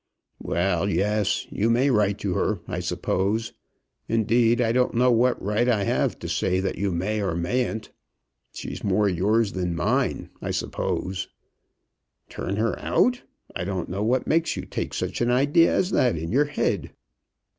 "Well, yes; you may write to her, I suppose. Indeed I don't know what right I have to say that you may, or you mayn't. She's more yours than mine, I suppose." "Turn her out! I don't know what makes you take such an idea as that in your head."